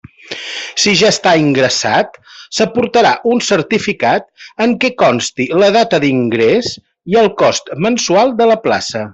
Si ja està ingressat, s'aportarà un certificat en què conste la data d'ingrés i el cost mensual de la plaça.